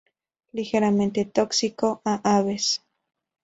Ligeramente tóxico a aves.